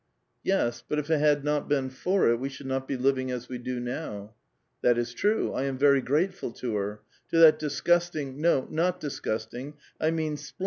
*' Yes, but if it had not been for it, we should not be liv ing as we do now." '* That is true ; I am very grateful to her ; to that disgust ing, no, not disgusting, I mean splendid, woman